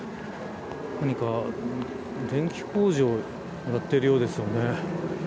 何か、電気工事をやっているようですよね。